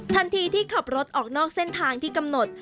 ทันทีที่ขับรถออกนอกเส้นทางที่กำหนด